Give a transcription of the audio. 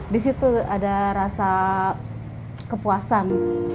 di situ ada rasa kepuasan